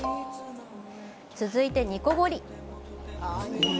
続いて、煮こごり。